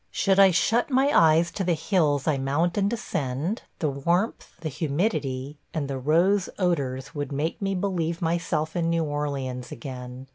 Should I shut my eyes to the hills I mount and descend, the warmth, the humidity, and the rose odors would make me believe myself in New Orleans again.